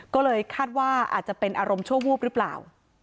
ก็เลยคาดว่าอาจจะเป็นอารมณ์ชั่ววูบหรือเปล่า